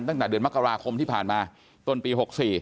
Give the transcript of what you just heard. ตั้งแต่เดือนมกราคมที่ผ่านมาต้นปี๖๔